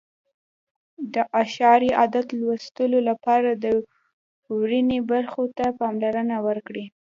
د اعشاري عدد لوستلو لپاره د ورنیې برخو ته پاملرنه وکړئ.